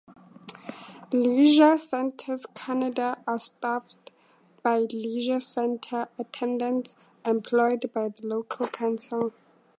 Leisure centres Canada are staffed by leisure centre attendants employed by the local council.